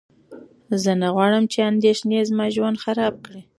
زه نه غواړم چې اندېښنې زما ژوند خراب کړي.